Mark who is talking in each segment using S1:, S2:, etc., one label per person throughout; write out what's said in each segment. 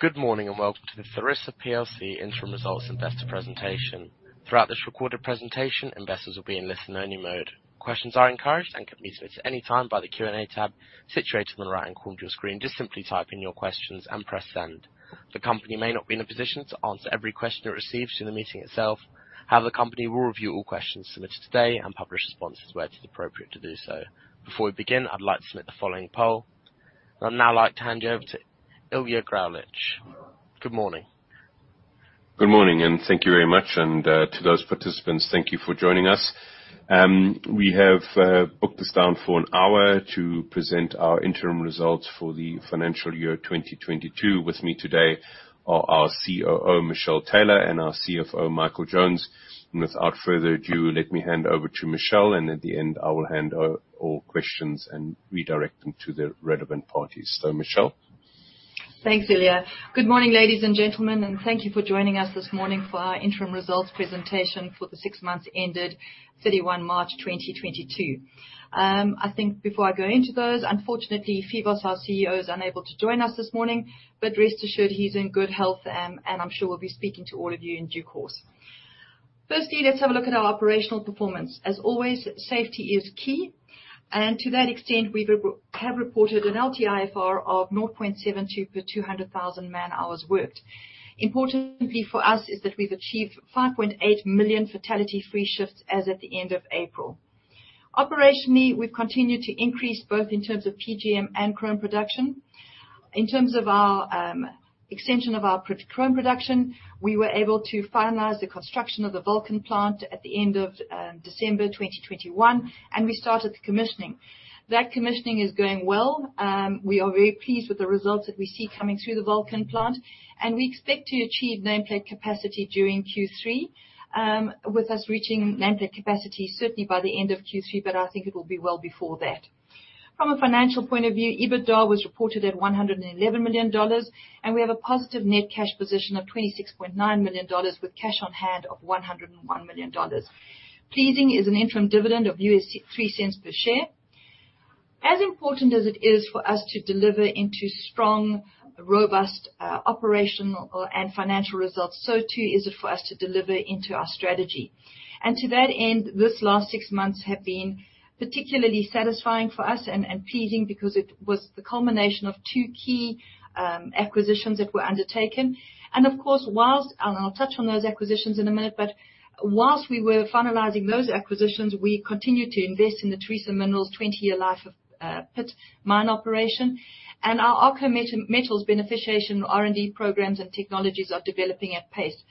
S1: Good morning, and welcome to the Tharisa plc Interim Results Investor Presentation. Throughout this recorded presentation, investors will be in listen-only mode. Questions are encouraged and can be submitted any time by the Q&A tab situated on the right-hand corner of your screen. Just simply type in your questions and press send. The company may not be in a position to answer every question it receives during the meeting itself. However, the company will review all questions submitted today and publish responses where it is appropriate to do so. Before we begin, I'd like to submit the following poll. I'd now like to hand you over to Ilja Graulich. Good morning.
S2: Good morning, and thank you very much. To those participants, thank you for joining us. We have booked this down for an hour to present our interim results for the financial year 2022. With me today are our COO, Michelle Taylor, and our CFO, Michael Jones. Without further ado, let me hand over to Michelle, and at the end, I will hand over questions and redirect them to the relevant parties. Michelle.
S3: Thanks, Ilja. Good morning, ladies and gentlemen, and thank you for joining us this morning for our interim results presentation for the six months ended 31 March 2022. I think before I go into those, unfortunately, Phoevos, our CEO, is unable to join us this morning, but rest assured he's in good health, and I'm sure we'll be speaking to all of you in due course. Firstly, let's have a look at our operational performance. As always, safety is key, and to that extent, we have reported an LTIFR of 0.72 per 200,000 man-hours worked. Importantly for us is that we've achieved 5.8 million fatality-free shifts as at the end of April. Operationally, we've continued to increase both in terms of PGM and chrome production. In terms of our extension of our pure chrome production, we were able to finalize the construction of the Vulcan plant at the end of December 2021, and we started the commissioning. That commissioning is going well. We are very pleased with the results that we see coming through the Vulcan plant, and we expect to achieve nameplate capacity during Q3, with us reaching nameplate capacity certainly by the end of Q3, but I think it will be well before that. From a financial point of view, EBITDA was reported at $111 million, and we have a positive net cash position of $26.9 million with cash on hand of $101 million. Pleasingly, an interim dividend of $0.03 per share. As important as it is for us to deliver into strong, robust, operational and financial results, so too is it for us to deliver into our strategy. To that end, this last six months have been particularly satisfying for us and pleasing because it was the culmination of two key acquisitions that were undertaken. Of course, while I'll touch on those acquisitions in a minute, while we were finalizing those acquisitions, we continued to invest in the Tharisa Minerals 20-year life-of-pit mine operation. Our Arxo Metals beneficiation, R&D programs, and technologies are developing at pace.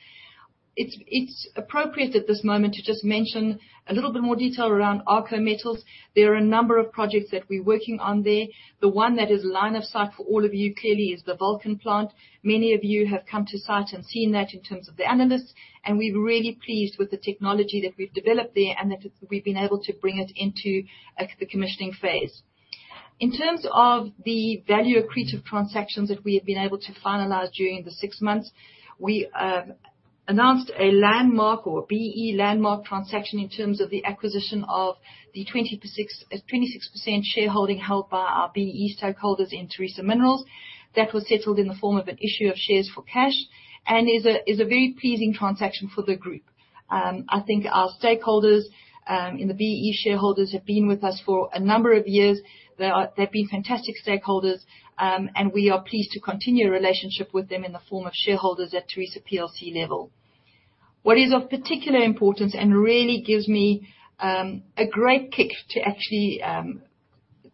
S3: It's appropriate at this moment to just mention a little bit more detail around Arxo Metals. There are a number of projects that we're working on there. The one that is line of sight for all of you, clearly, is the Vulcan plant. Many of you have come to site and seen that in terms of the analysts, and we're really pleased with the technology that we've developed there and that we've been able to bring it into the commissioning phase. In terms of the value accretive transactions that we have been able to finalize during the six months, we announced a landmark BEE landmark transaction in terms of the acquisition of the 26% shareholding held by our BEE stakeholders in Tharisa Minerals. That was settled in the form of an issue of shares for cash and is a very pleasing transaction for the group. I think our stakeholders and the BEE shareholders have been with us for a number of years. They've been fantastic stakeholders, and we are pleased to continue a relationship with them in the form of shareholders at Tharisa plc level. What is of particular importance and really gives me a great kick to actually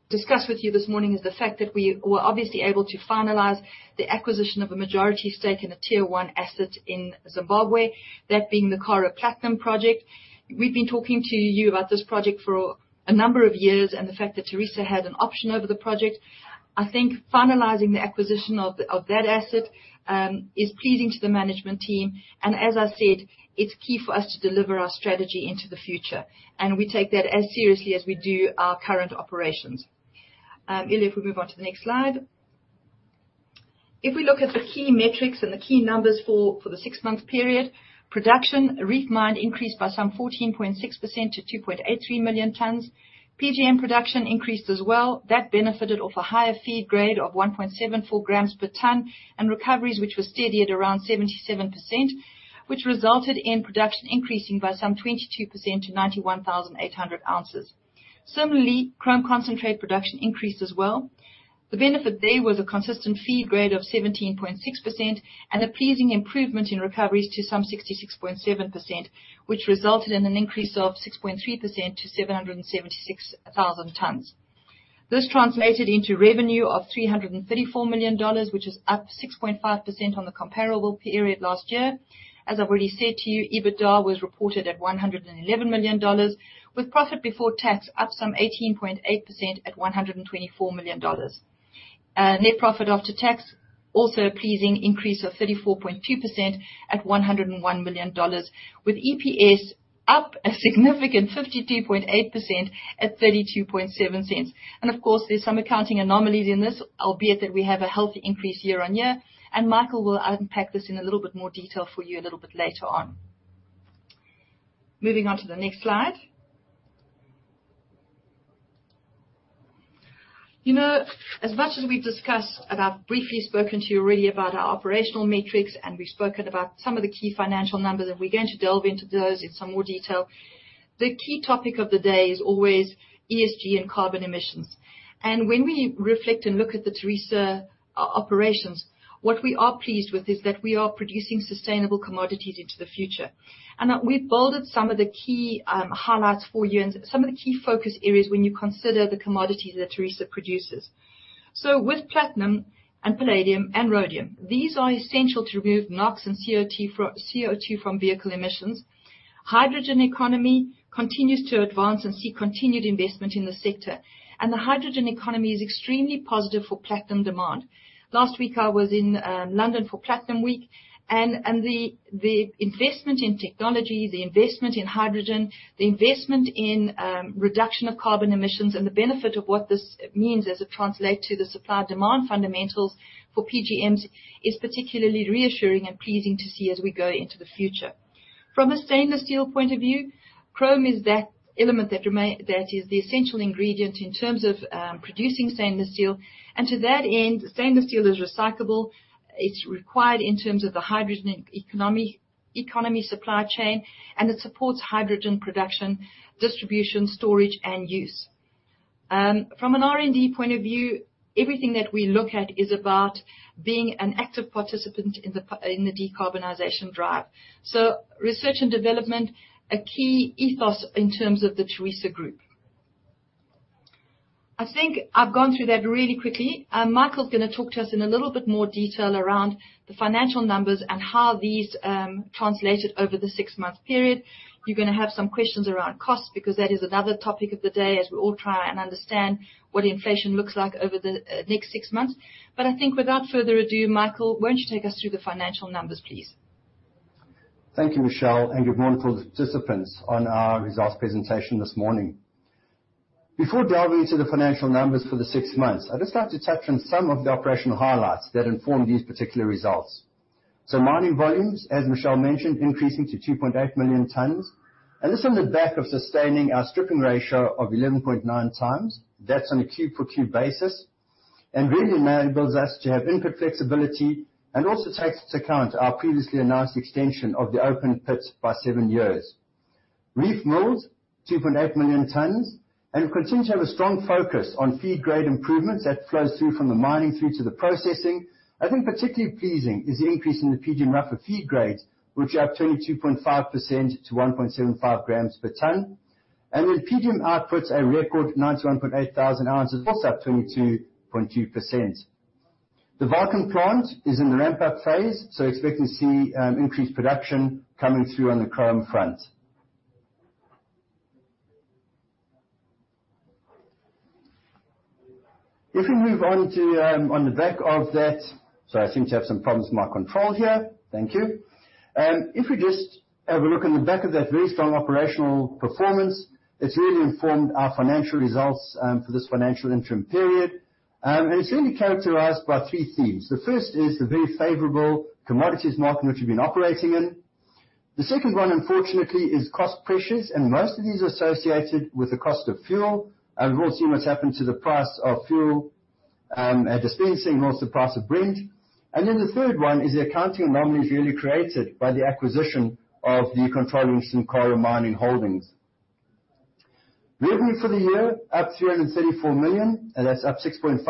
S3: discuss with you this morning is the fact that we were obviously able to finalize the acquisition of a majority stake in a tier-one asset in Zimbabwe, that being the Karo Platinum project. We've been talking to you about this project for a number of years and the fact that Tharisa had an option over the project. I think finalizing the acquisition of that asset is pleasing to the management team. As I said, it's key for us to deliver our strategy into the future, and we take that as seriously as we do our current operations. Ilja, if we move on to the next slide. If we look at the key metrics and the key numbers for the six-month period, ROM production increased by some 14.6% to 2.83 million tons. PGM production increased as well. That benefited from a higher feed grade of 1.74 g per ton and recoveries which were steady at around 77%, which resulted in production increasing by some 22% to 91,800 ounces. Similarly, chrome concentrate production increased as well. The benefit there was a consistent feed grade of 17.6% and a pleasing improvement in recoveries to some 66.7%, which resulted in an increase of 6.3% to 776,000 tons. This translated into revenue of $334 million, which is up 6.5% on the comparable period last year. As I've already said to you, EBITDA was reported at $111 million, with profit before tax up some 18.8% at $124 million. Net profit after tax, also a pleasing increase of 34.2% at $101 million, with EPS up a significant 52.8% at $0.327. Of course, there's some accounting anomalies in this, albeit that we have a healthy increase year-on-year, and Michael will unpack this in a little bit more detail for you a little bit later on. Moving on to the next slide. You know, as much as we've discussed about, briefly spoken to you really about our operational metrics, and we've spoken about some of the key financial numbers, and we're going to delve into those in some more detail. The key topic of the day is always ESG and carbon emissions. When we reflect and look at the Tharisa operations, what we are pleased with is that we are producing sustainable commodities into the future. That we've bolded some of the key highlights for you and some of the key focus areas when you consider the commodities that Tharisa produces. With platinum and palladium and rhodium, these are essential to remove NOx and CO2 from vehicle emissions. Hydrogen economy continues to advance and see continued investment in the sector, and the hydrogen economy is extremely positive for platinum demand. Last week, I was in London for Platinum Week and the investment in technology, the investment in hydrogen, the investment in reduction of carbon emissions and the benefit of what this means as it translate to the supply-demand fundamentals for PGMs is particularly reassuring and pleasing to see as we go into the future. From a stainless steel point of view, chrome is that element that is the essential ingredient in terms of producing stainless steel. To that end, stainless steel is recyclable. It's required in terms of the hydrogen economy supply chain, and it supports hydrogen production, distribution, storage and use. From an R&D point of view, everything that we look at is about being an active participant in the decarbonization drive. Research and development, a key ethos in terms of the Tharisa group. I think I've gone through that really quickly. Michael's gonna talk to us in a little bit more detail around the financial numbers and how these translated over the six-month period. You're gonna have some questions around cost because that is another topic of the day as we all try and understand what inflation looks like over the next six months. I think without further ado, Michael, why don't you take us through the financial numbers, please?
S4: Thank you, Michelle, and good morning to all the participants on our results presentation this morning. Before delving into the financial numbers for the six months, I'd just like to touch on some of the operational highlights that inform these particular results. Mining volumes, as Michelle mentioned, increasing to 2.8 million tons, and this on the back of sustaining our stripping ratio of 11.9x. That's on a cube-for-cube basis and really enables us to have input flexibility and also takes into account our previously announced extension of the open pit by seven years. Reef milled 2.8 million tons and we continue to have a strong focus on feed grade improvements that flows through from the mining through to the processing. I think particularly pleasing is the increase in the PGM rougher feed grade, which are up 22.5% to 1.75 g per ton. PGM outputs a record 91,800 ounces, also up 22.2%. The Vulcan plant is in the ramp-up phase, so expect to see increased production coming through on the chrome front. If we just have a look on the back of that very strong operational performance, it's really informed our financial results for this financial interim period. It's really characterized by three themes. The first is the very favorable commodities market which we've been operating in. The second one, unfortunately, is cost pressures, and most of these are associated with the cost of fuel. We've all seen what's happened to the price of fuel at dispensing, also price of Brent. The third one is the accounting anomalies really created by the acquisition of the controlling interest in Karo Mining Holdings. Revenue for the year, up $334 million, and that's up 6.5%.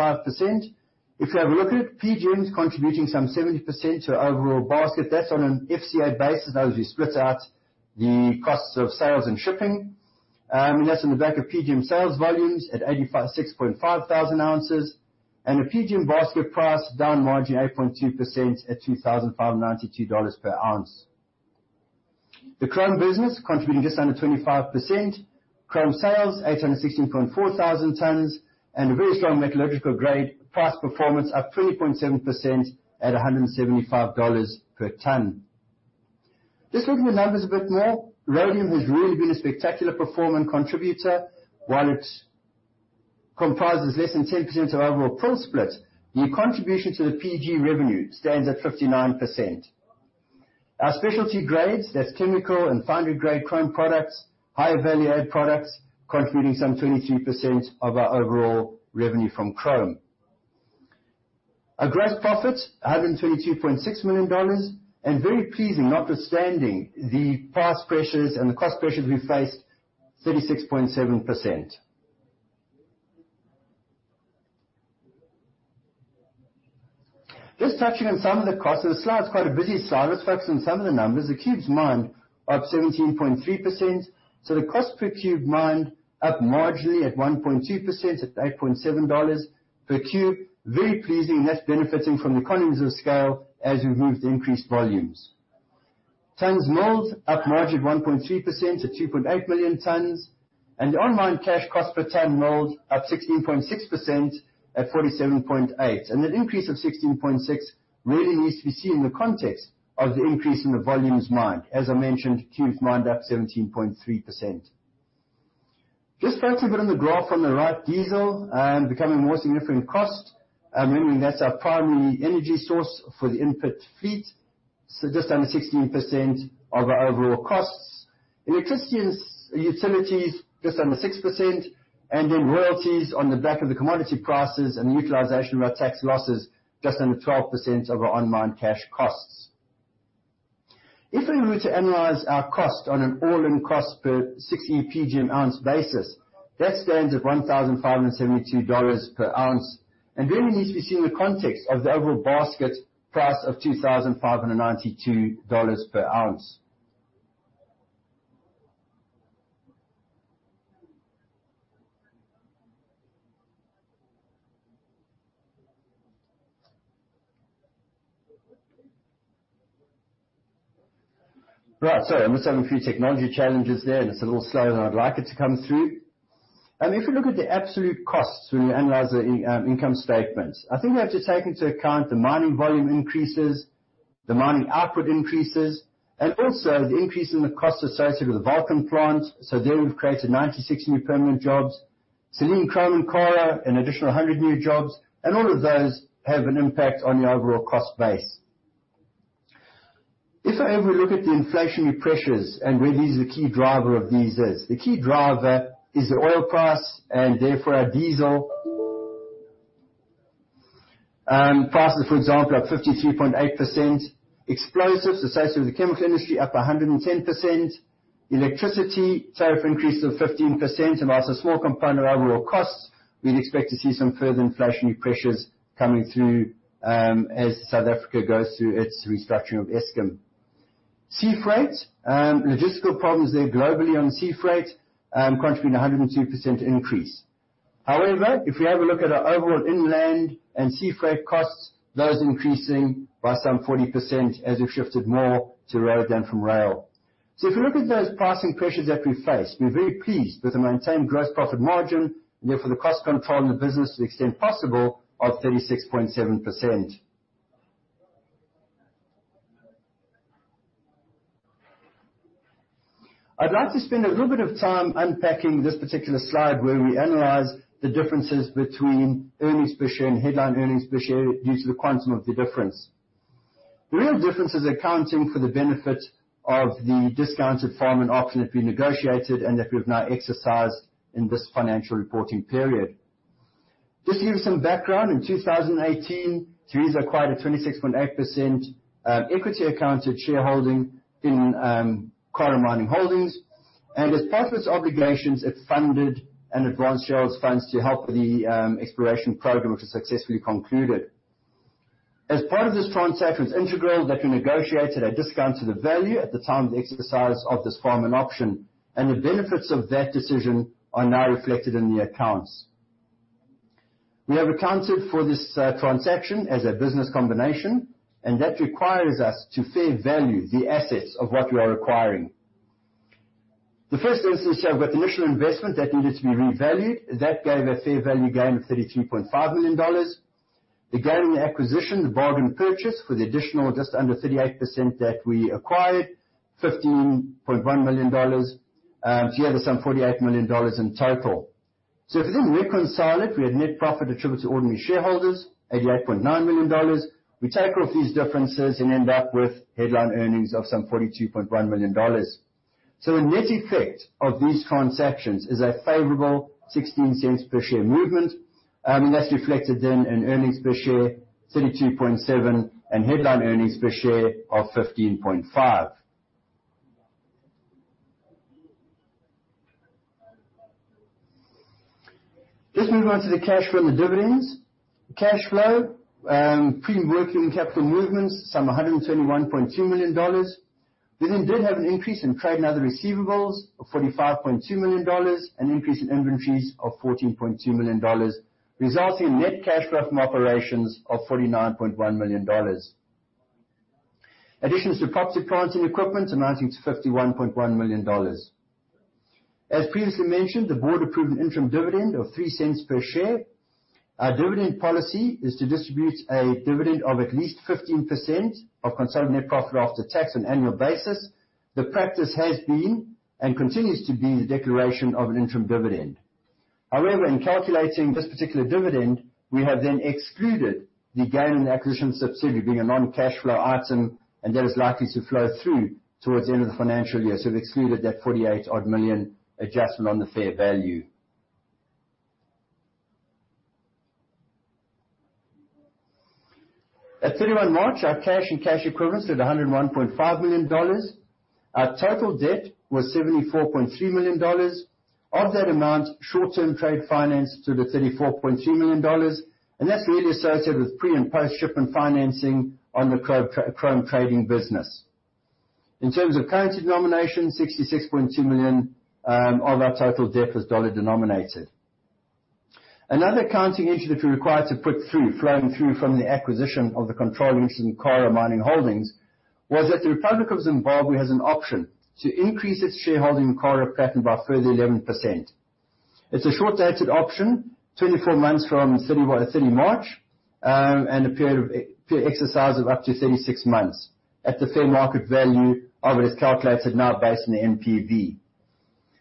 S4: If you have a look at it, PGM's contributing some 70% to our overall basket. That's on an FCA basis, that is, we split out the costs of sales and shipping. That's on the back of PGM sales volumes at 86,500 ounces and a PGM basket price down marginally 8.2% at $2,592 per ounce. The chrome business contributing just under 25%. Chrome sales, 816,400 tons and a very strong metallurgical grade price performance, up 3.7% at $175 per ton. Just looking at the numbers a bit more. Rhodium has really been a spectacular performer and contributor. While it comprises less than 10% of our overall pool split, the contribution to the PGM revenue stands at 59%. Our specialty grades, that's chemical and foundry grade chrome products, higher value add products, contributing some 22% of our overall revenue from chrome. Our gross profit, $122.6 million. Very pleasing, notwithstanding the price pressures and the cost pressures we faced, 36.7%. Just touching on some of the costs. This slide's quite a busy slide. Let's focus on some of the numbers. The cubes mined up 17.3%, so the cost per cube mined up marginally at 1.2% at $8.7 per cube. Very pleasing, and that's benefiting from the economies of scale as we move the increased volumes. Tons milled up marginally 1.3% to 2.8 million tons. The on-mine cash cost per ton milled up 16.6% at $47.8. That increase of 16.6 really needs to be seen in the context of the increase in the volumes mined. As I mentioned, cubes mined up 17.3%. Just focus a bit on the graph on the right. Diesel, becoming a more significant cost, remembering that's our primary energy source for the haul fleet. Just under 16% of our overall costs. Electricity utilities just under 6%, and then royalties on the back of the commodity prices and utilization of our tax losses, just under 12% of our online cash costs. If we were to analyze our cost on an all-in cost per 6E PGM ounce basis, that stands at $1,572 per ounce. Really needs to be seen in the context of the overall basket price of $2,592 per ounce. Right. Sorry, I'm just having a few technology challenges there, and it's a little slower than I'd like it to come through. If you look at the absolute costs when we analyze the income statements, I think we have to take into account the mining volume increases, the mining output increases, and also the increase in the cost associated with the Vulcan plant. There we've created 96 new permanent jobs. Salene Chrome and Karo, an additional 100 new jobs. All of those have an impact on the overall cost base. If I have a look at the inflationary pressures. The key driver is the oil price, and therefore our diesel prices, for example, up 53.8%. Explosives associated with the chemical industry up 100%. Electricity tariff increase of 15%, and while it's a small component of our overall costs, we'd expect to see some further inflationary pressures coming through, as South Africa goes through its restructuring of Eskom. Sea freight, logistical problems there globally on sea freight, contribute a 100% increase. However, if you have a look at our overall inland and sea freight costs, those increasing by some 40% as we've shifted more to road than from rail. If you look at those pricing pressures that we face, we're very pleased with the maintained gross profit margin and therefore the cost control in the business to the extent possible of 36.7%. I'd like to spend a little bit of time unpacking this particular slide where we analyze the differences between earnings per share and headline earnings per share due to the quantum of the difference. The real difference is accounting for the benefit of the discounted farm-in and option that we negotiated and that we've now exercised in this financial reporting period. Just to give some background, in 2018, Tharisa acquired a 26.8% equity accounted shareholding in Karo Mining Holdings. As part of its obligations, it funded an advance share funds to help the exploration program, which was successfully concluded. As part of this transaction, it's integral that we negotiated a discount to the value at the time of the exercise of this farm-in and option, and the benefits of that decision are now reflected in the accounts. We have accounted for this transaction as a business combination, and that requires us to fair value the assets of what we are acquiring. The first instance here, we've got the initial investment that needed to be revalued. That gave a fair value gain of $33.5 million. The gain in the acquisition, the bargain purchase for the additional just under 38% that we acquired, $15.1 million. Together some $48 million in total. If we then reconcile it, we have net profit attributed to ordinary shareholders, $88.9 million. We take off these differences and end up with headline earnings of some $42.1 million. The net effect of these transactions is a favorable $0.16 per share movement, and that's reflected in an earnings per share, 32.7, and headline earnings per share of 15.5. Let's move on to the cash from the dividends. Cash flow, pre-working capital movements, some $121.2 million. We then did have an increase in trade and other receivables of $45.2 million, an increase in inventories of $14.2 million, resulting in net cash flow from operations of $49.1 million. Additions to property, plant and equipment amounting to $51.1 million. As previously mentioned, the board approved an interim dividend of $0.03 per share. Our dividend policy is to distribute a dividend of at least 15% of consolidated net profit after tax on annual basis. The practice has been and continues to be the declaration of an interim dividend. However, in calculating this particular dividend, we have then excluded the gain on acquisition of subsidiary being a non-cash flow item and that is likely to flow through towards the end of the financial year. We've excluded that 48-odd million adjustment on the fair value. At 31 March, our cash and cash equivalents at $101.5 million. Our total debt was $74.3 million. Of that amount, short-term trade finance to the $34.3 million. That's really associated with pre and post-shipment financing on the chrome trading business. In terms of currency denomination, $66.2 million of our total debt was dollar denominated. Another accounting issue that we're required to put through, flowing through from the acquisition of the controlling interest in Karo Mining Holdings, was that the Republic of Zimbabwe has an option to increase its shareholding in Karo Platinum by a further 11%. It's a short-dated option, 24 months from 31 March, and a period of exercise of up to 36 months at the fair market value of it is calculated now based on the NPV.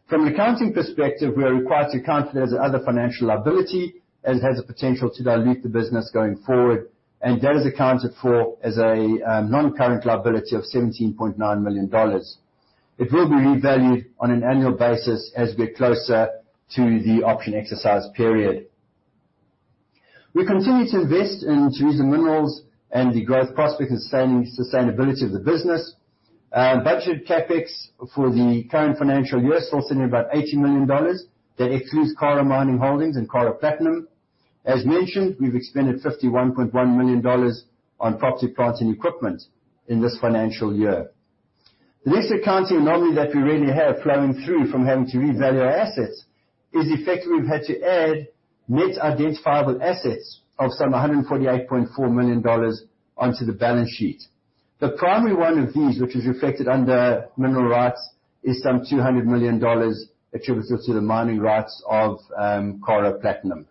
S4: From an accounting perspective, we are required to account for those other financial liability as it has the potential to dilute the business going forward, and that is accounted for as a non-current liability of $17.9 million. It will be revalued on an annual basis as we get closer to the option exercise period. We continue to invest in Tharisa Minerals and the growth prospects and sustainability of the business. Budget CapEx for the current financial year sits in about $80 million. That excludes Karo Mining Holdings and Karo Platinum. As mentioned, we've expended $51.1 million on property, plant, and equipment in this financial year. This accounting anomaly that we really have flowing through from having to revalue our assets is the effect we've had to add net identifiable assets of some $148.4 million onto the balance sheet. The primary one of these, which is reflected under mineral rights, is some $200 million attributable to the mining rights of Karo Platinum.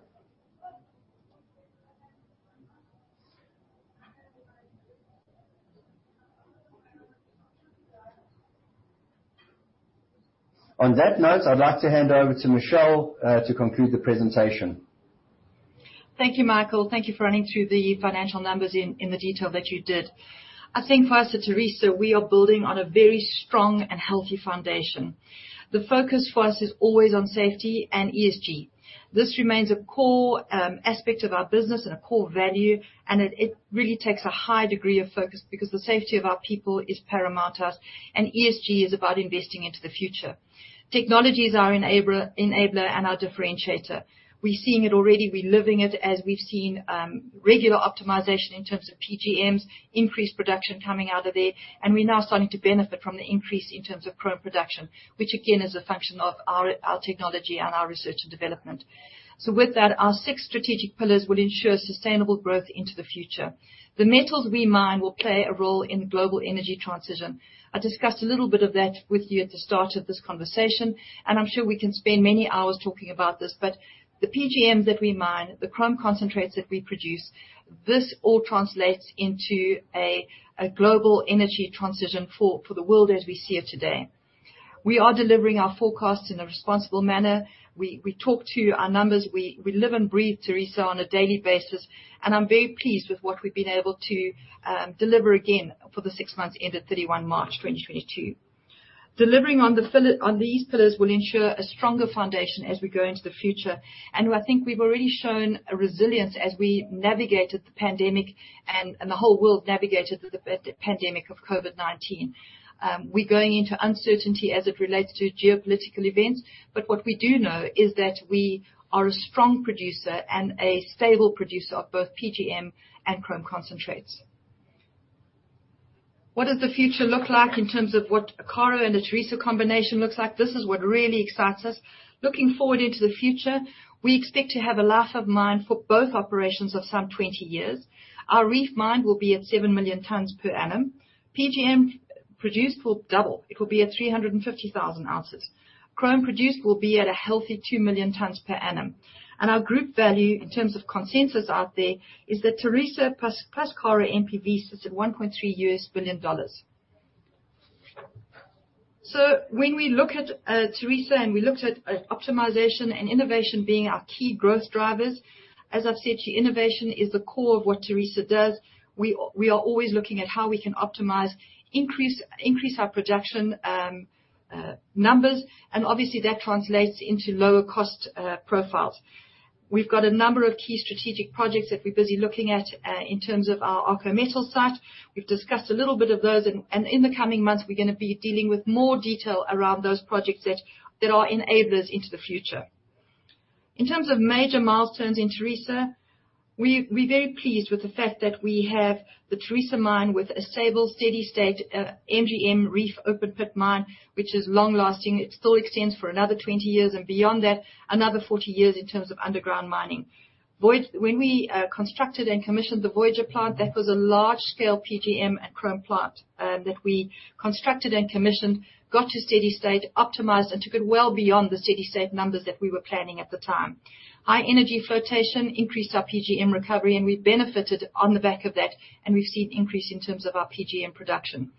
S4: On that note, I'd like to hand over to Michelle to conclude the presentation.
S3: Thank you, Michael. Thank you for running through the financial numbers in the detail that you did. I think for us at Tharisa, we are building on a very strong and healthy foundation. The focus for us is always on safety and ESG. This remains a core aspect of our business and a core value, and it really takes a high degree of focus because the safety of our people is paramount to us, and ESG is about investing into the future. Technologies are enabler and our differentiator. We're seeing it already. We're living it as we've seen regular optimization in terms of PGMs, increased production coming out of there, and we're now starting to benefit from the increase in terms of chrome production, which again, is a function of our technology and our research and development. With that, our six strategic pillars will ensure sustainable growth into the future. The metals we mine will play a role in global energy transition. I discussed a little bit of that with you at the start of this conversation, and I'm sure we can spend many hours talking about this. The PGMs that we mine, the chrome concentrates that we produce, this all translates into a global energy transition for the world as we see it today. We are delivering our forecasts in a responsible manner. We talk to our numbers. We live and breathe Tharisa on a daily basis, and I'm very pleased with what we've been able to deliver again for the six months ended 31 March 2022. Delivering on these pillars will ensure a stronger foundation as we go into the future. I think we've already shown a resilience as we navigated the pandemic and the whole world navigated through the pandemic of COVID-19. We're going into uncertainty as it relates to geopolitical events, but what we do know is that we are a strong producer and a stable producer of both PGM and chrome concentrates. What does the future look like in terms of what Karo and the Tharisa combination looks like? This is what really excites us. Looking forward into the future, we expect to have a life of mine for both operations of some 20 years. Our reef mine will be at 7 million tons per annum. PGM produced will double. It will be at 350,000 ounces. Chrome produced will be at a healthy 2 million tons per annum. Our group value in terms of consensus out there is that Tharisa plus Karo NPV sits at $1.3 billion. When we look at Tharisa and we looked at optimization and innovation being our key growth drivers, as I've said, innovation is the core of what Tharisa does. We are always looking at how we can optimize, increase our production numbers, and obviously that translates into lower cost profiles. We've got a number of key strategic projects that we're busy looking at in terms of our Arxo Metals. We've discussed a little bit of those and in the coming months, we're gonna be dealing with more detail around those projects that are enablers into the future. In terms of major milestones in Tharisa, we're very pleased with the fact that we have the Tharisa mine with a stable, steady state MG reef open pit mine, which is long-lasting. It still extends for another 20 years, and beyond that, another 40 years in terms of underground mining. When we constructed and commissioned the Voyager plant, that was a large-scale PGM and chrome plant that we constructed and commissioned, got to steady state, optimized, and took it well beyond the steady state numbers that we were planning at the time. High-energy flotation increased our PGM recovery, and we benefited on the back of that, and we've seen increase in terms of our PGM production.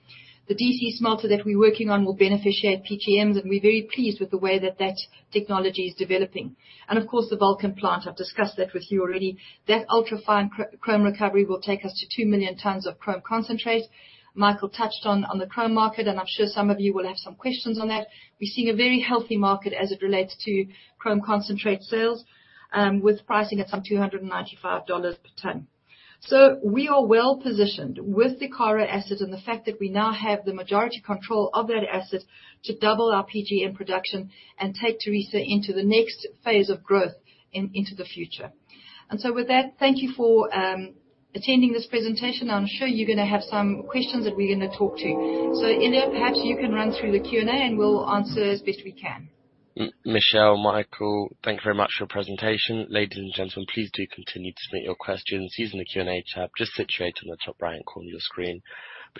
S3: The DC smelter that we're working on will beneficiate PGMs, and we're very pleased with the way that that technology is developing. Of course, the Vulcan plant, I've discussed that with you already. That ultra fine chrome recovery will take us to 2 million tons of chrome concentrate. Michael touched on the chrome market, and I'm sure some of you will have some questions on that. We're seeing a very healthy market as it relates to chrome concentrate sales, with pricing at some $295 per ton. We are well-positioned with the Karo asset and the fact that we now have the majority control of that asset to double our PGM production and take Tharisa into the next phase of growth into the future. With that, thank you for attending this presentation. I'm sure you're gonna have some questions that we're gonna talk to. Ilja, perhaps you can run through the Q&A, and we'll answer as best we can.
S1: Michelle, Michael, thank you very much for your presentation. Ladies and gentlemen, please do continue to submit your questions using the Q&A tab just situated on the top right corner of your screen.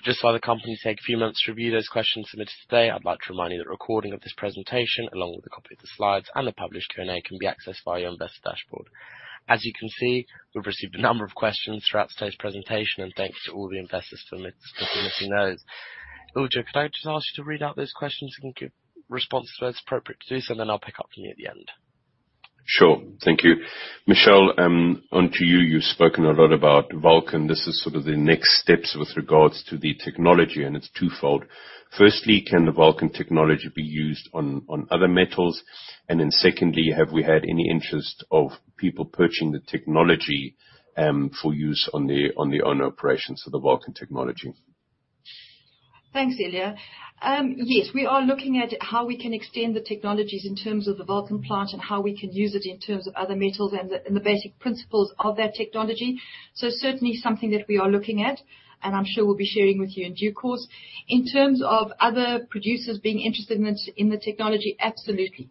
S1: Just while the company take a few moments to review those questions submitted today, I'd like to remind you that a recording of this presentation along with the The slides and the published Q&A can be accessed via Investor Dashboard. As you can see, we've received a number of questions throughout today's presentation, and thanks to all the investors for submitting those. Ilja, could I just ask you to read out those questions and give response where it's appropriate to do so, and then I'll pick up from you at the end.
S2: Sure. Thank you. Michelle, onto you. You've spoken a lot about Vulcan. This is sort of the next steps with regards to the technology, and it's twofold. Firstly, can the Vulcan technology be used on other metals? Then secondly, have we had any interest of people purchasing the technology for use on their own operations for the Vulcan technology?
S3: Thanks, Ilja. Yes, we are looking at how we can extend the technologies in terms of the Vulcan plant and how we can use it in terms of other metals and the basic principles of that technology. Certainly something that we are looking at, and I'm sure we'll be sharing with you in due course. In terms of other producers being interested in the technology, absolutely.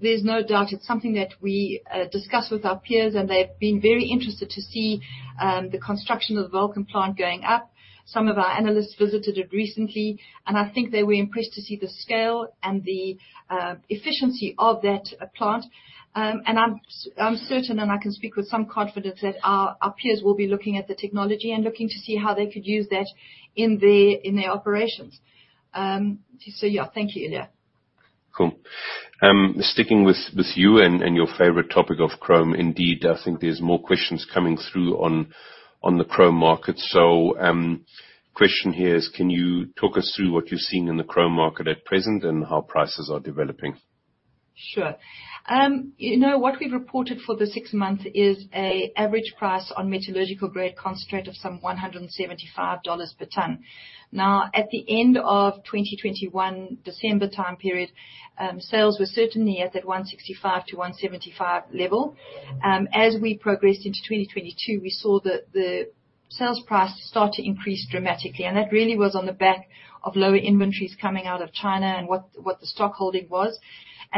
S3: There's no doubt it's something that we discuss with our peers, and they've been very interested to see the construction of the Vulcan plant going up. Some of our analysts visited it recently, and I think they were impressed to see the scale and the efficiency of that plant. I'm certain and I can speak with some confidence that our peers will be looking at the technology and looking to see how they could use that in their operations. Yeah, thank you, Ilja.
S2: Cool. Sticking with you and your favorite topic of chrome indeed, I think there's more questions coming through on the chrome market. Question here is, can you talk us through what you're seeing in the chrome market at present and how prices are developing?
S3: Sure. You know, what we've reported for the six months is an average price on metallurgical grade concentrate of some $175 per ton. Now, at the end of 2021 December time period, sales were certainly at that $165-$175 level. As we progressed into 2022, we saw the sales price start to increase dramatically, and that really was on the back of lower inventories coming out of China and what the stock holding was.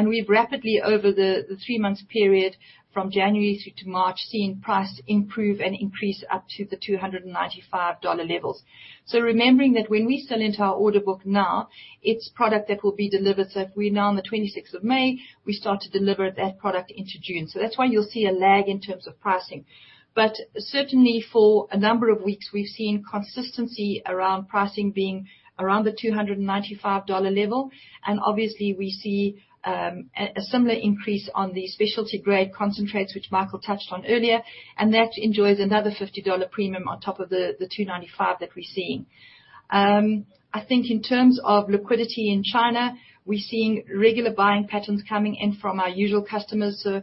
S3: We've rapidly, over the three-month period from January through to March, seen price improve and increase up to the $295 levels. Remembering that when we sell into our order book now, it's product that will be delivered, so if we're now on the 26th of May, we start to deliver that product into June. That's why you'll see a lag in terms of pricing. Certainly for a number of weeks we've seen consistency around pricing being around the $295 level. Obviously we see a similar increase on the specialty grade concentrates, which Michael touched on earlier, and that enjoys another $50 premium on top of the $295 that we're seeing. I think in terms of liquidity in China, we're seeing regular buying patterns coming in from our usual customers, so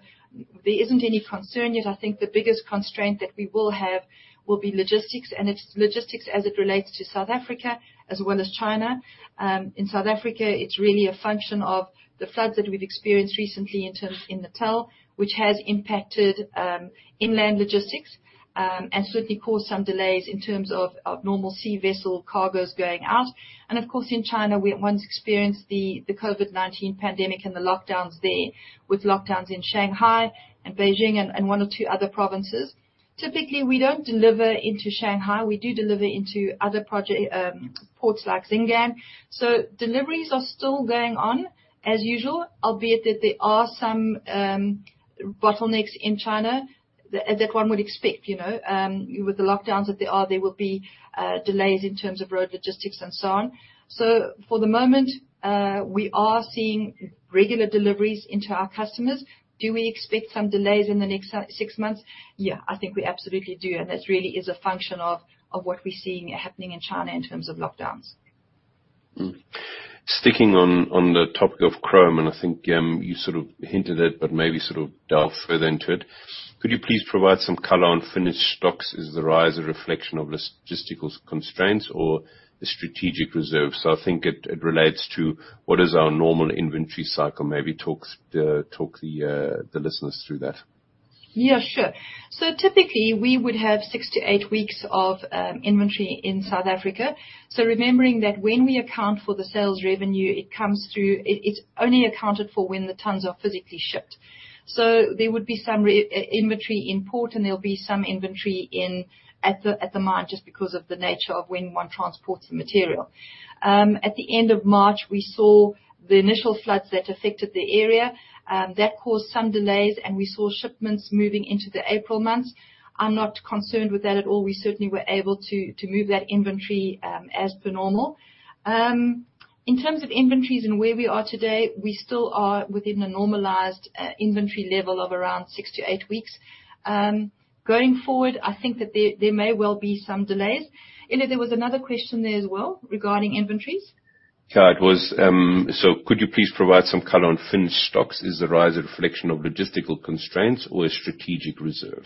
S3: there isn't any concern yet. I think the biggest constraint that we will have will be logistics and its logistics as it relates to South Africa as well as China. In South Africa, it's really a function of the floods that we've experienced recently in the KwaZulu-Natal, which has impacted inland logistics and certainly caused some delays in terms of normal sea vessel cargos going out. Of course, in China, we once experienced the COVID-19 pandemic and the lockdowns there, with lockdowns in Shanghai and Beijing and one or two other provinces. Typically, we don't deliver into Shanghai. We do deliver into other ports like Xingang. Deliveries are still going on as usual, albeit that there are some bottlenecks in China that one would expect, you know, with the lockdowns that there are, there will be delays in terms of road logistics and so on. For the moment, we are seeing regular deliveries into our customers. Do we expect some delays in the next six months? Yeah, I think we absolutely do, and that really is a function of what we're seeing happening in China in terms of lockdowns.
S2: Sticking on the topic of chrome, I think you sort of hinted it, but maybe sort of delve further into it. Could you please provide some color on finished stocks? Is the rise a reflection of logistical constraints or the strategic reserve? I think it relates to what is our normal inventory cycle. Maybe talk the listeners through that.
S3: Yeah, sure. Typically, we would have 6-8 weeks of inventory in South Africa. Remembering that when we account for the sales revenue, it comes through. It's only accounted for when the tons are physically shipped. There would be some inventory in port and there'll be some inventory at the mine just because of the nature of when one transports the material. At the end of March, we saw the initial floods that affected the area that caused some delays and we saw shipments moving into the April months. I'm not concerned with that at all. We certainly were able to move that inventory as per normal. In terms of inventories and where we are today, we still are within a normalized inventory level of around 6-8 weeks. Going forward, I think that there may well be some delays. Ilja, there was another question there as well regarding inventories.
S2: Yeah, it was, so could you please provide some color on finished stocks? Is the rise a reflection of logistical constraints or a strategic reserve?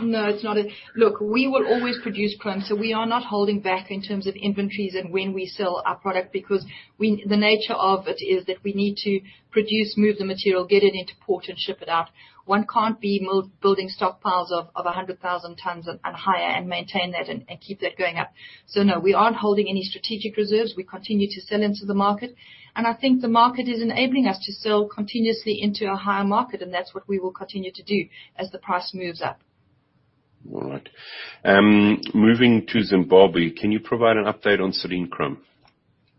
S3: No, it's not. Look, we will always produce chrome, so we are not holding back in terms of inventories and when we sell our product because the nature of it is that we need to produce, move the material, get it into port and ship it out. One can't be building stockpiles of 100,000 tons and higher and maintain that and keep that going up. No, we aren't holding any strategic reserves. We continue to sell into the market, and I think the market is enabling us to sell continuously into a higher market, and that's what we will continue to do as the price moves up.
S2: All right. Moving to Zimbabwe, can you provide an update on Salene Chrome?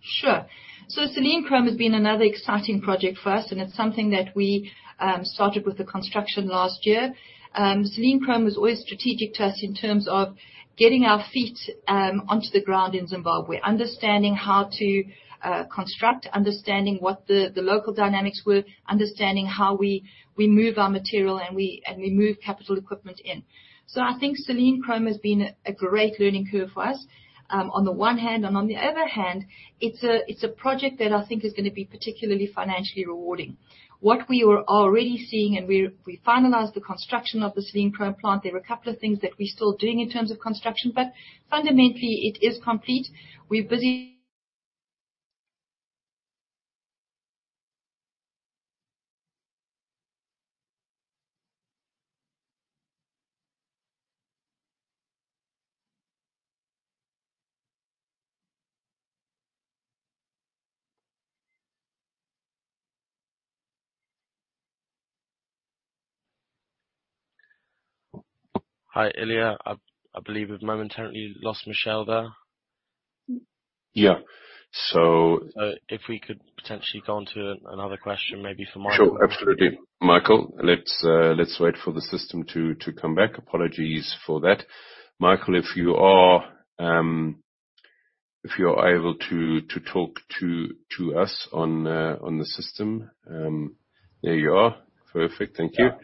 S3: Sure. Salene Chrome has been another exciting project for us, and it's something that we started with the construction last year. Salene Chrome was always strategic to us in terms of getting our feet onto the ground in Zimbabwe. Understanding how to construct, understanding what the local dynamics were, understanding how we move our material and we move capital equipment in. I think Salene Chrome has been a great learning curve for us on the one hand. On the other hand, it's a project that I think is gonna be particularly financially rewarding. What we are already seeing, and we finalized the construction of the Salene Chrome plant. There are a couple of things that we're still doing in terms of construction, but fundamentally, it is complete. We're busy.
S1: Hi, Ilja. I believe we've momentarily lost Michelle there.
S2: Yeah.
S1: If we could potentially go on to another question, maybe for Michael.
S2: Sure. Absolutely. Michael, let's wait for the system to come back. Apologies for that. Michael, if you're able to talk to us on the system. There you are. Perfect. Thank you.
S4: Yeah.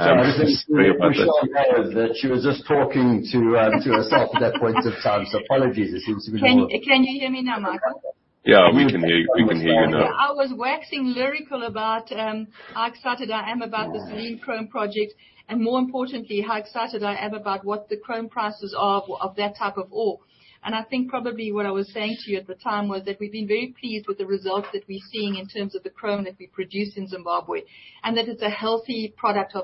S2: Sorry about that.
S4: Michelle there that she was just talking to herself at that point of time, so apologies. It seems to be more.
S3: Can you hear me now, Michael?
S2: Yeah. We can hear you. We can hear you now.
S3: Yeah. I was waxing lyrical about how excited I am about the Salene Chrome project, and more importantly, how excited I am about what the chrome prices are of that type of ore. I think probably what I was saying to you at the time was that we've been very pleased with the results that we're seeing in terms of the chrome that we produce in Zimbabwe. That is a healthy product.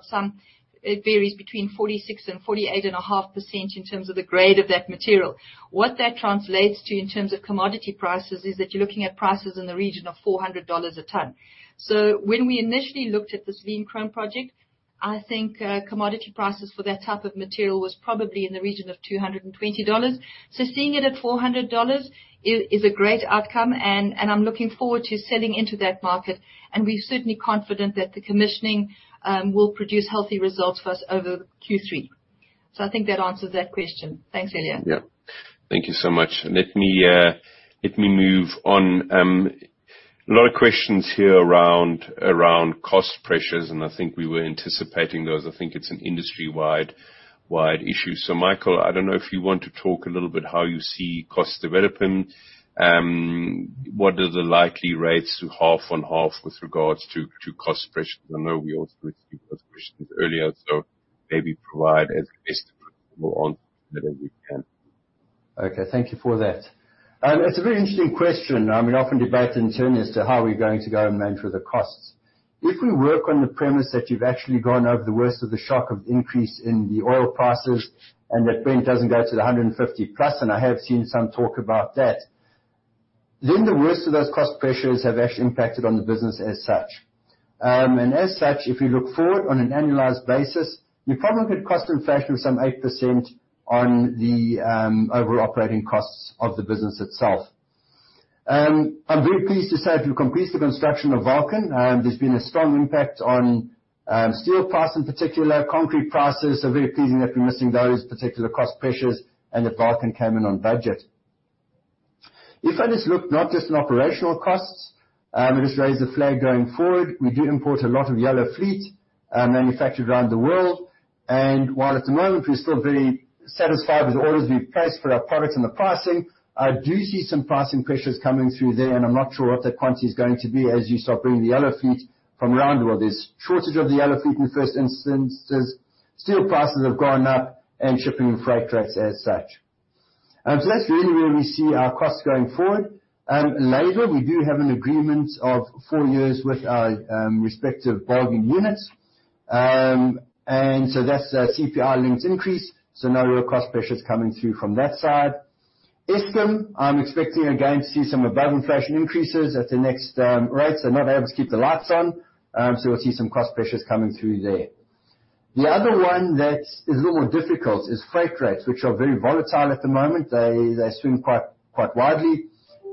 S3: It varies between 46%-48.5% in terms of the grade of that material. What that translates to in terms of commodity prices is that you're looking at prices in the region of $400 a ton. When we initially looked at the Salene Chrome project, I think, commodity prices for that type of material was probably in the region of $220. Seeing it at $400 is a great outcome, and I'm looking forward to selling into that market. We're certainly confident that the commissioning will produce healthy results for us over Q3. I think that answers that question. Thanks, Ilja.
S2: Yeah. Thank you so much. Let me move on. A lot of questions here around cost pressures, and I think we were anticipating those. I think it's an industry-wide issue. Michael, I don't know if you want to talk a little bit how you see costs developing. What are the likely rates to half on half with regards to cost pressures? I know we also received those questions earlier, so maybe provide as best possible answer that we can.
S4: Okay. Thank you for that. It's a very interesting question. I mean, often debated in terms as to how we're going to go and manage with the costs. If we work on the premise that you've actually gone over the worst of the shock of increase in the oil prices, and that Brent doesn't go to 150+, and I have seen some talk about that. The worst of those cost pressures have actually impacted on the business as such. As such, if we look forward on an annualized basis, you probably could cost inflation some 8% on the overall operating costs of the business itself. I'm very pleased to say if you complete the construction of Vulcan, there's been a strong impact on steel prices in particular. Concrete prices are very pleasing that we're missing those particular cost pressures and that Vulcan came in on budget. If I just look not just on operational costs, I'll just raise the flag going forward. We do import a lot of yellow fleet manufactured around the world, and while at the moment we're still very satisfied with the orders we've placed for our products and the pricing, I do see some pricing pressures coming through there, and I'm not sure what that quantity is going to be as you start bringing the yellow fleet from around the world. There's shortage of the yellow fleet in the first instances. Steel prices have gone up and shipping freight rates as such. That's really where we see our costs going forward. Labor, we do have an agreement of four years with our respective bargaining units. That's a CPI linked increase, so no real cost pressures coming through from that side. Eskom, I'm expecting again to see some above inflation increases at the next. Rates are not able to keep the lights on, so we'll see some cost pressures coming through there. The other one that is a little more difficult is freight rates, which are very volatile at the moment. They swing quite widely.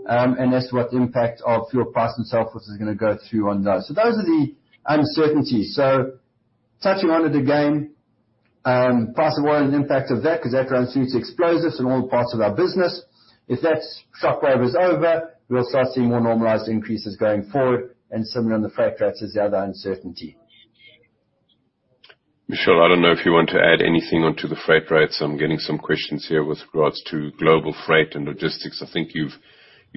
S4: That's what the impact of fuel price and sulfur is gonna go through on those. Those are the uncertainties. Touching on it again, price of oil and the impact of that, 'cause that runs through to explosives in all parts of our business. If that shockwave is over, we'll start seeing more normalized increases going forward, and similarly on the freight rates is the other uncertainty.
S2: Michelle, I don't know if you want to add anything onto the freight rates. I'm getting some questions here with regards to global freight and logistics. I think you've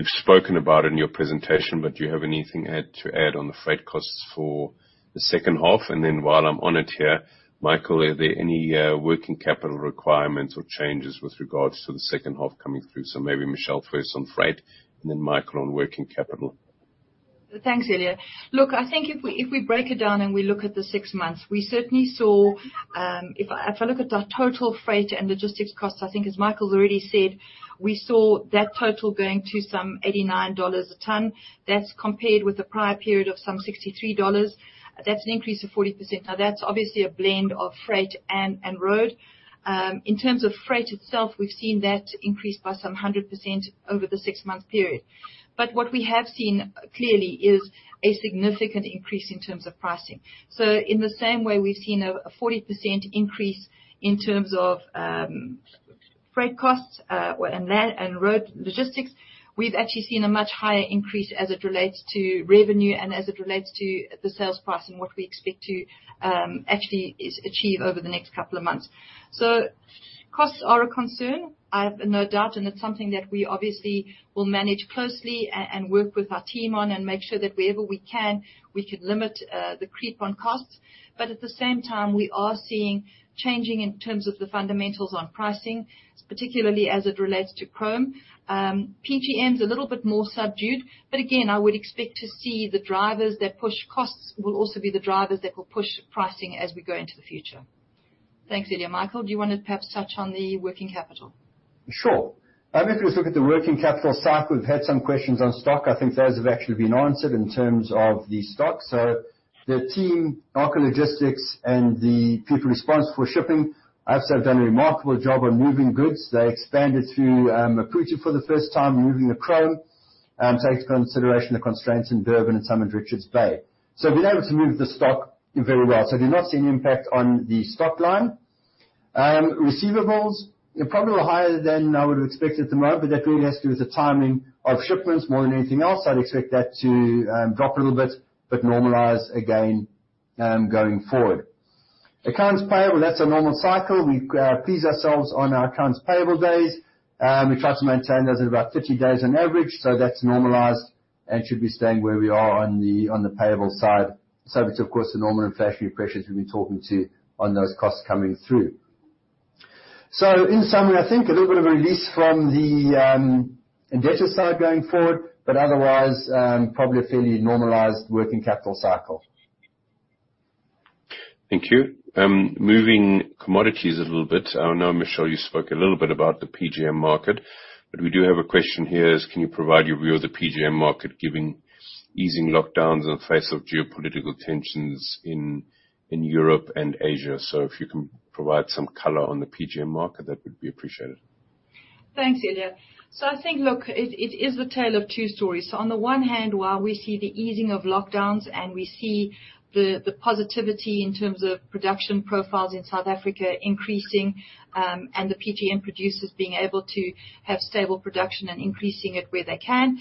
S2: spoken about it in your presentation, but do you have anything to add on the freight costs for the second half? Then while I'm on it here, Michael, are there any working capital requirements or changes with regards to the second half coming through. Maybe Michelle first on freight and then Michael on working capital.
S3: Thanks, Ilja. Look, I think if we break it down and we look at the six months, if I look at our total freight and logistics costs, I think as Michael's already said, we saw that total going to some $89 a ton. That's compared with the prior period of some $63. That's an increase of 40%. Now, that's obviously a blend of freight and road. In terms of freight itself, we've seen that increase by some 100% over the six-month period. What we have seen clearly is a significant increase in terms of pricing. In the same way we've seen a 40% increase in terms of freight costs and land and road logistics, we've actually seen a much higher increase as it relates to revenue and as it relates to the sales price and what we expect to actually achieve over the next couple of months. Costs are a concern. I have no doubt, and it's something that we obviously will manage closely and work with our team on and make sure that wherever we can, we can limit the creep on costs. At the same time, we are seeing changes in terms of the fundamentals on pricing, particularly as it relates to chrome. PGM's a little bit more subdued, but again, I would expect to see the drivers that push costs will also be the drivers that will push pricing as we go into the future. Thanks, Ilja. Michael, do you wanna perhaps touch on the working capital?
S4: Sure. If we look at the working capital cycle, we've had some questions on stock. I think those have actually been answered in terms of the stock. The team, Arxo Logistics and the people responsible for shipping, I have to say, have done a remarkable job on moving goods. They expanded through Maputo for the first time, moving the chrome, taking into consideration the constraints in Durban and some in Richards Bay. We've been able to move the stock very well. Do not see any impact on the stock line. Receivables are probably higher than I would have expected. They are, but that really has to do with the timing of shipments more than anything else. I'd expect that to drop a little bit, but to normalize again, going forward. Accounts payable, that's a normal cycle. We pride ourselves on our accounts payable days. We try to maintain those at about 50 days on average, so that's normalized and should be staying where we are on the payable side. Subject, of course, to normal inflationary pressures we've been talking about on those costs coming through. In summary, I think a little bit of a release from the debt side going forward, but otherwise, probably a fairly normalized working capital cycle.
S2: Thank you. Moving commodities a little bit. I know, Michelle, you spoke a little bit about the PGM market, but we do have a question here: can you provide your view of the PGM market given easing lockdowns in the face of geopolitical tensions in Europe and Asia? If you can provide some color on the PGM market, that would be appreciated.
S3: Thanks, Ilja. I think, look, it is a tale of two stories. On the one hand, while we see the easing of lockdowns and we see the positivity in terms of production profiles in South Africa increasing, and the PGM producers being able to have stable production and increasing it where they can,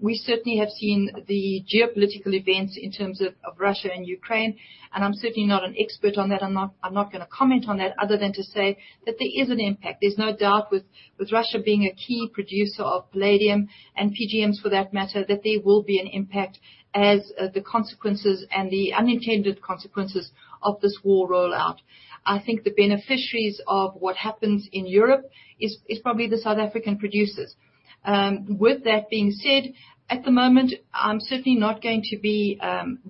S3: we certainly have seen the geopolitical events in terms of Russia and Ukraine, and I'm certainly not an expert on that. I'm not gonna comment on that other than to say that there is an impact. There's no doubt with Russia being a key producer of palladium and PGMs for that matter, that there will be an impact as the consequences and the unintended consequences of this war roll out. I think the beneficiaries of what happens in Europe is probably the South African producers. With that being said, at the moment, I'm certainly not going to be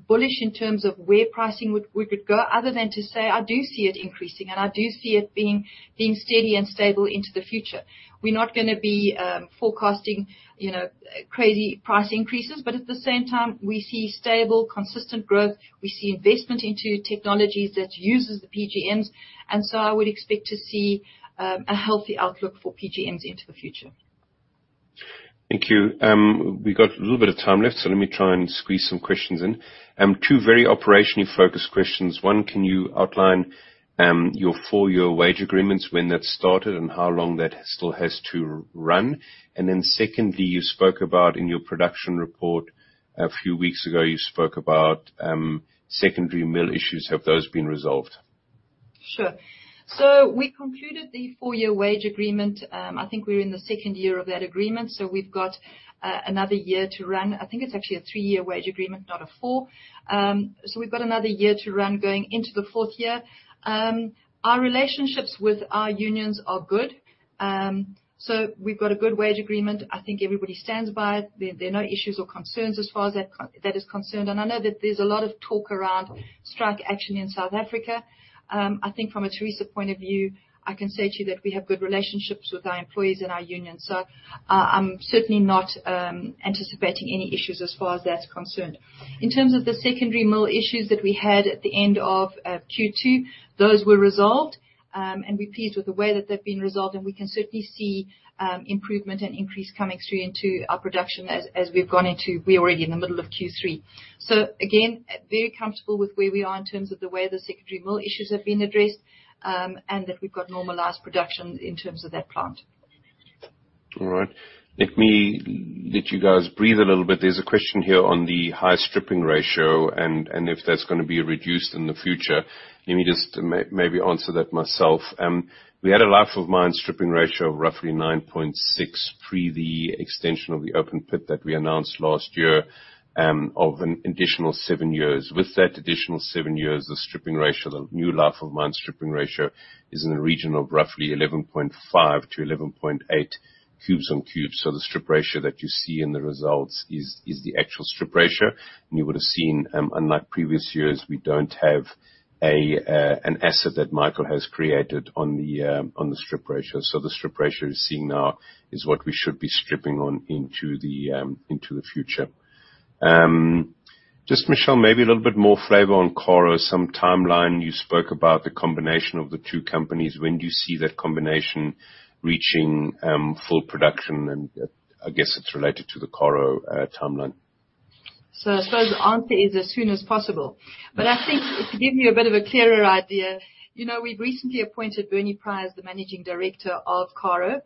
S3: bullish in terms of where pricing could go other than to say I do see it increasing and I do see it being steady and stable into the future. We're not gonna be forecasting, you know, crazy price increases, but at the same time we see stable, consistent growth. We see investment into technologies that uses the PGMs, and so I would expect to see a healthy outlook for PGMs into the future.
S2: Thank you. We got a little bit of time left, so let me try and squeeze some questions in. Two very operationally focused questions. One, can you outline your four-year wage agreements, when that started and how long that still has to run? Then secondly, you spoke about in your production report a few weeks ago, secondary mill issues. Have those been resolved?
S3: Sure. We concluded the four-year wage agreement. I think we're in the second year of that agreement, so we've got another year to run. I think it's actually a three-year wage agreement, not a four. We've got another year to run going into the fourth year. Our relationships with our unions are good. We've got a good wage agreement. I think everybody stands by it. There are no issues or concerns as far as that is concerned. I know that there's a lot of talk around strike action in South Africa. I think from a Tharisa point of view, I can say to you that we have good relationships with our employees and our unions. I'm certainly not anticipating any issues as far as that's concerned. In terms of the secondary mill issues that we had at the end of Q2, those were resolved, and we're pleased with the way that they've been resolved, and we can certainly see improvement and increase coming through into our production as we've gone into. We're already in the middle of Q3. So again, very comfortable with where we are in terms of the way the secondary mill issues have been addressed, and that we've got normalized production in terms of that plant.
S2: All right. Let me let you guys breathe a little bit. There's a question here on the high stripping ratio and if that's gonna be reduced in the future. Let me just maybe answer that myself. We had a life of mine stripping ratio of roughly 9.6 pre the extension of the open pit that we announced last year, of an additional seven years. With that additional seven years, the stripping ratio, the new life of mine stripping ratio is in the region of roughly 11.5-11.8. Cubes on cubes. So the strip ratio that you see in the results is the actual strip ratio. You would have seen, unlike previous years, we don't have an asset that Michael has created on the strip ratio. The strip ratio you're seeing now is what we should be stripping on into the future. Just Michelle, maybe a little bit more flavor on Karo, some timeline. You spoke about the combination of the two companies. When do you see that combination reaching full production? I guess it's related to the Karo timeline.
S3: I suppose the answer is as soon as possible. I think to give you a bit of a clearer idea, you know, we've recently appointed Bernard Pryor, the Managing Director of Karo,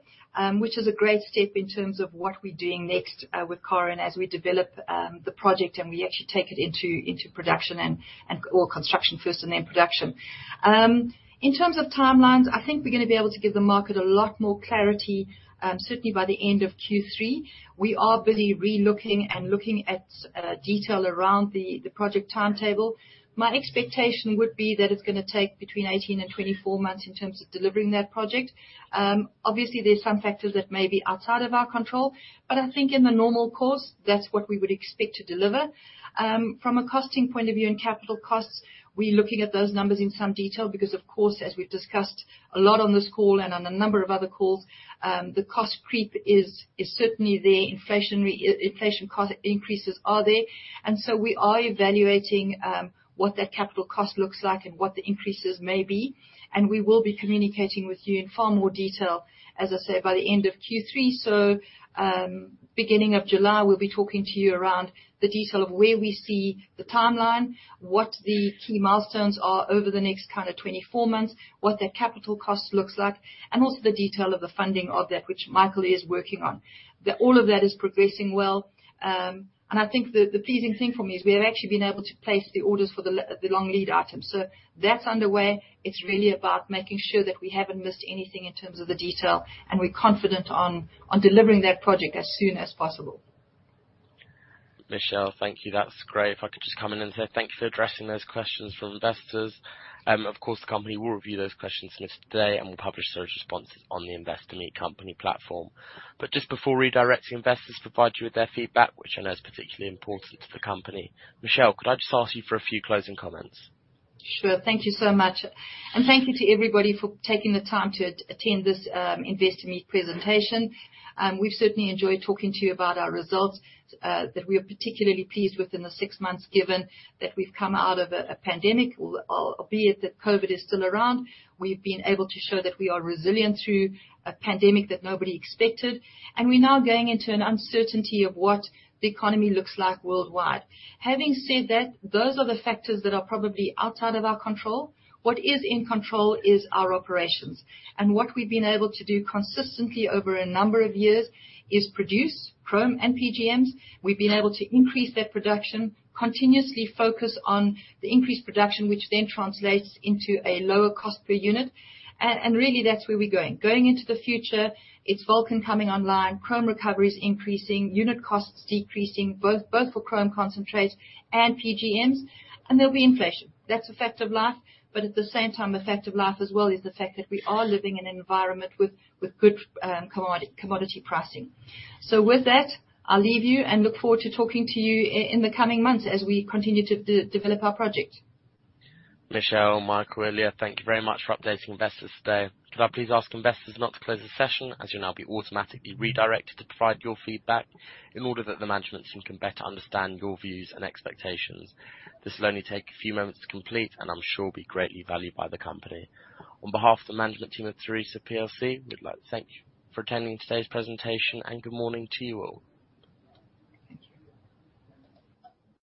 S3: which is a great step in terms of what we're doing next, with Karo and as we develop, the project and we actually take it into production or construction first and then production. In terms of timelines, I think we're gonna be able to give the market a lot more clarity, certainly by the end of Q3. We are busy relooking and looking at detail around the project timetable. My expectation would be that it's gonna take between 18 and 24 months in terms of delivering that project. Obviously, there's some factors that may be outside of our control, but I think in the normal course, that's what we would expect to deliver. From a costing point of view and capital costs, we're looking at those numbers in some detail because, of course, as we've discussed a lot on this call and on a number of other calls, the cost creep is certainly there. Inflation cost increases are there. We are evaluating what that capital cost looks like and what the increases may be, and we will be communicating with you in far more detail, as I said, by the end of Q3. Beginning of July, we'll be talking to you around the detail of where we see the timeline, what the key milestones are over the next 24 months, what that capital cost looks like, and also the detail of the funding of that which Michael is working on. All of that is progressing well. I think the pleasing thing for me is we have actually been able to place the orders for the long lead items. That's underway. It's really about making sure that we haven't missed anything in terms of the detail, and we're confident on delivering that project as soon as possible.
S1: Michelle, thank you. That's great. If I could just come in and say thank you for addressing those questions from investors. Of course, the company will review those questions listed today, and we'll publish those responses on the Investor Meet Company platform. Just before redirecting investors to provide you with their feedback, which I know is particularly important to the company, Michelle, could I just ask you for a few closing comments?
S3: Sure. Thank you so much. Thank you to everybody for taking the time to attend this Investor Meet presentation. We've certainly enjoyed talking to you about our results that we are particularly pleased with in the six months, given that we've come out of a pandemic. Albeit that COVID is still around, we've been able to show that we are resilient through a pandemic that nobody expected, and we're now going into an uncertainty of what the economy looks like worldwide. Having said that, those are the factors that are probably outside of our control. What is in control is our operations. What we've been able to do consistently over a number of years is produce chrome and PGMs. We've been able to increase that production, continuously focus on the increased production, which then translates into a lower cost per unit. Really, that's where we're going. Going into the future, it's Vulcan coming online, chrome recovery is increasing, unit costs decreasing, both for chrome concentrates and PGMs. There'll be inflation. That's a fact of life. But at the same time, a fact of life as well is the fact that we are living in an environment with good commodity pricing. With that, I'll leave you and look forward to talking to you in the coming months as we continue to develop our project.
S1: Michelle, Michael, Ilja, thank you very much for updating investors today. Could I please ask investors not to close the session, as you'll now be automatically redirected to provide your feedback in order that the management team can better understand your views and expectations. This will only take a few moments to complete and I'm sure be greatly valued by the company. On behalf of the management team at Tharisa plc, we'd like to thank you for attending today's presentation, and good morning to you all.
S3: Thank you.